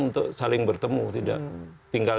untuk saling bertemu tidak tinggal